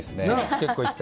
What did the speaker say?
結構いった？